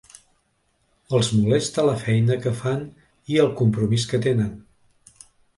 Els molesta la feina que fan i el compromís que tenen.